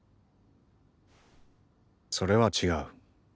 それは違う。